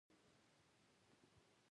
د جمیکا متل وایي د جاهل تعقیب جاهل جوړوي.